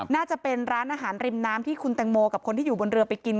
น่าจะเป็นร้านอาหารริมน้ำที่คุณแตงโมกับคนที่อยู่บนเรือไปกิน